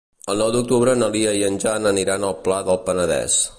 El nou d'octubre na Lia i en Jan aniran al Pla del Penedès.